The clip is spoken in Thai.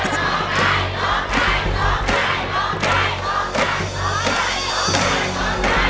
โลกใจโลกใจโลกใจ